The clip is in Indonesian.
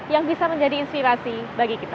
yang bisa menjadi inspirasi bagi kita